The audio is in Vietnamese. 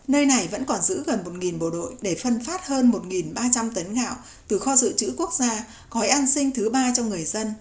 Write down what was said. nơi này vẫn còn giữ gần một bộ đội để phân phát hơn một ba trăm linh tấn gạo từ kho dự trữ quốc gia gói an sinh thứ ba cho người dân